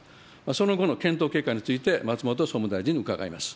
その後の検討結果について、松本総務大臣に伺います。